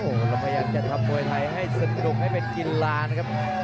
เราพยายามจะทำมวยไทยให้สนุกให้เป็นกีฬานะครับ